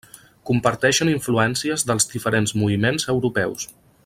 Comparteixen influències dels diferents moviments europeus.